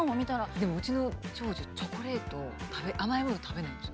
でもうちの長女チョコレート甘いもの食べないんです。